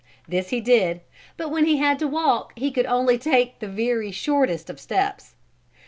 This he did, but when he had to walk he could only take the very shortest of steps.